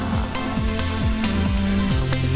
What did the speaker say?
saya jedadi good morning